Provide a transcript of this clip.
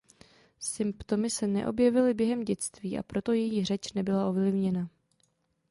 Symptomy se neobjevily během dětství a proto její řeč nebyla ovlivněna.